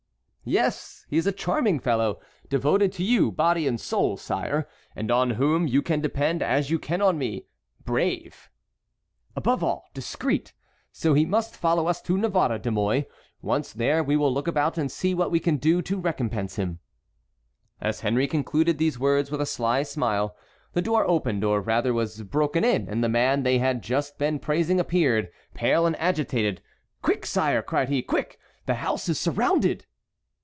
"Yes; he is a charming fellow, devoted to you body and soul, sire, and on whom you can depend as you can on me—brave"— "And above all, discreet. So he must follow us to Navarre, De Mouy; once there we will look about and see what we can do to recompense him." As Henry concluded these words with a sly smile, the door opened or rather was broken in, and the man they had just been praising appeared, pale and agitated. "Quick, sire," cried he; "quick, the house is surrounded."